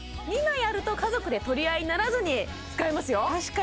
２枚あると家族で取り合いにならずに使えますよ